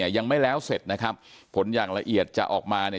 ก็เสร็จนะครับผลอย่างละเอียดจะออกมาเนี่ย